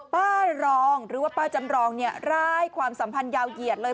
ป้ารองหรือว่าป้าจำรองเนี่ยร้ายความสัมพันธ์ยาวเหยียดเลย